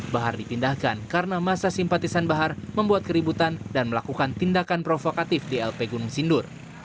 bahar dipindahkan karena masa simpatisan bahar membuat keributan dan melakukan tindakan provokatif di lp gunung sindur